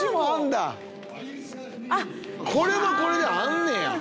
これもこれであんねや。